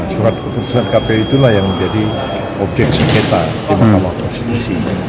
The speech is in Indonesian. surat keputusan kpu itulah yang menjadi objek sekitar di makam waktu selesai